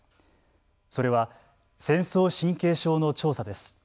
それは戦争神経症の調査です。